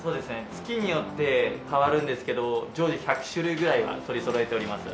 月によって変わるんですけど常時１００種類ぐらいは取りそろえております。